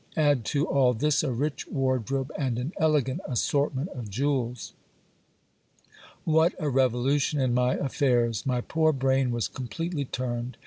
Add to all this a rich wardrobe, and an elegant assortment of jewels. What a revolution in my affairs ! My poor brain was completely turned.